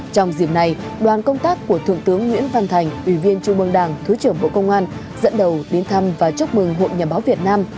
trong dịp này đoàn công tác của thượng tướng nguyễn văn thành ủy viên trung mương đảng thứ trưởng bộ công an dẫn đầu đến thăm và chúc mừng hội nhà báo việt nam